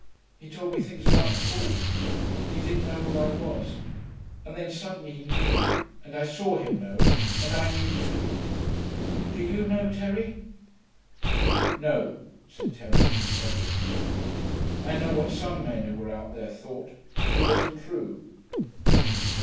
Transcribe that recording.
He told me things about Paul.... He didn't know who I was, and then suddenly he knew, and I saw him know, and I knew too. Do you know, Terry?' 'No,' said Terry, levelly. 'I know what some men who were out there thought, but it wasn't true.'